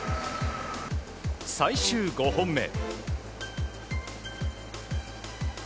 最終５本目。